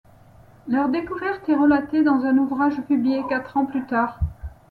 Leur découverte est relatée dans un ouvrage publié quatre ans plus tard.